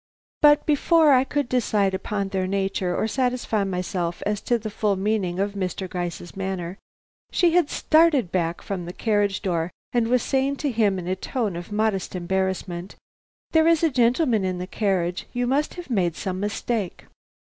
But before I could decide upon their nature or satisfy myself as to the full meaning of Mr. Gryce's manner, she had started back from the carriage door and was saying to him in a tone of modest embarrassment: "There is a gentleman in the carriage; you must have made some mistake."